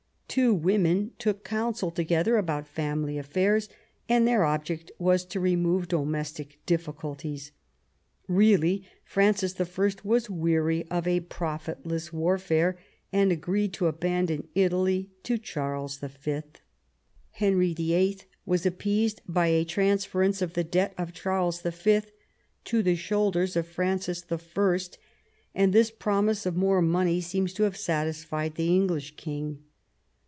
Two women took counsel together about family affairs, and their object was to remove domestic difficulties. Eeally Francis I. was weary of a profitless warfare, and agreed to abandon Italy to Charles V. Henry VIIL was ap peased by a transference of the debt of Charles V. to the shoulders of Francis I., and this promise of more money seems to have satisfied the English king.